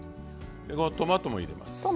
でこのトマトも入れます。